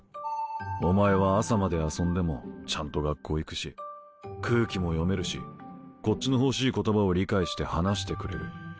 お前は朝まで遊んでもちゃんと学校行くし空気も読めるしこっちの欲しい言葉を理解して話してくれる。